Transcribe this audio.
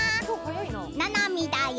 ななみだよ。